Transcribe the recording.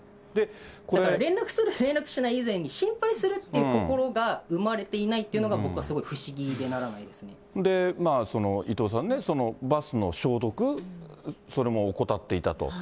だから連絡する、連絡しない以前に、心配するっていう心が生まれていないというのが僕はすごく不思議伊藤さんね、バスの消毒、それも怠っていたと。